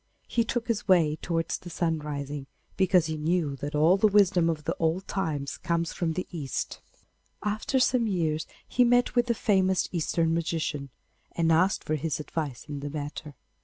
He took his way towards the sun rising, because he knew that all the wisdom of old time comes from the East. After some years he met with a famous Eastern magician, and asked for his advice in the matter.